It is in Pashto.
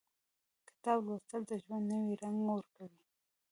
• کتاب لوستل، د ژوند نوی رنګ ورکوي.